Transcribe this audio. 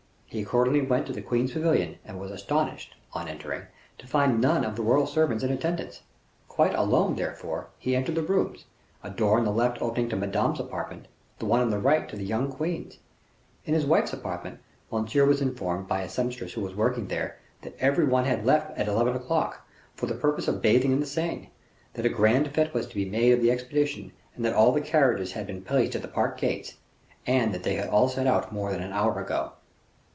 He accordingly went to the queen's pavilion, and was astonished, on entering, to find none of the royal servants in attendance. Quite alone, therefore, he entered the rooms, a door on the left opening to Madame's apartment, the one on the right to the young queen's. In his wife's apartment, Monsieur was informed, by a sempstress who was working there, that every one had left at eleven o'clock, for the purpose of bathing in the Seine, that a grand fete was to be made of the expedition, that all the carriages had been placed at the park gates, and that they had all set out more than an hour ago.